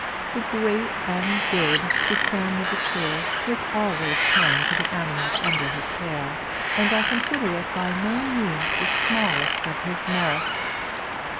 The great and good Toussaint l'Ouverture was always kind to the animals under his care, and I consider it by no means the smallest of his merits.